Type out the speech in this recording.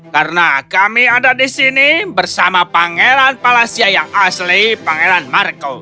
karena kami ada di sini bersama pangeran palasia yang asli pangeran marco